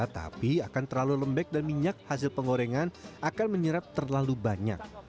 tapi akan terlalu lembek dan minyak hasil pengorengan akan menyerap terlalu banyak